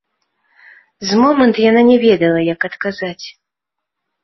З момант яна не ведала, як адказаць.